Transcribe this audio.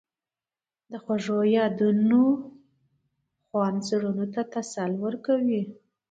د خوږو یادونو خوند زړونو ته تسل ورکوي.